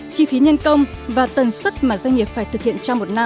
chi phí nhân công và tần suất mà doanh nghiệp phải thực hiện trong một năm